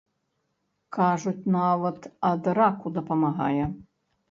Кажуць, нават ад раку дапамагае.